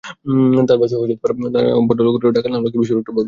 তাঁর ভাষ্য, আওয়ালকে ঢাকার লালবাগে বিস্ফোরকদ্রব্য বিক্রির সময় হাতেনাতে ধরা হয়।